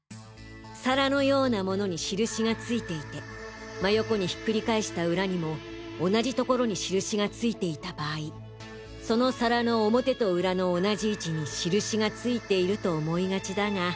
皿のような物に印が付いていて真横にひっくり返したウラにも同じ所に印が付いていた場合その皿の表とウラの同じ位置に印が付いていると思いがちだが。